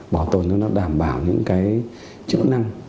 bảo tồn cho nó đảm bảo những cái chức năng